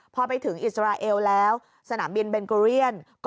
พอไปถึงอิสราเอลแล้วสนามบินเบนโกเรียน